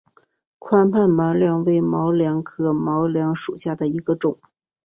宽瓣毛茛为毛茛科毛茛属下的一个种。